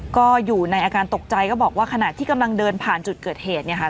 ก็อยู่ในอาการตกใจก็บอกว่าขณะที่กำลังเดินผ่านจุดเกิดเหตุเนี่ยค่ะ